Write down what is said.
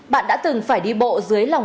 bạn đã từng bắt người ta xuống bắt người ta xuống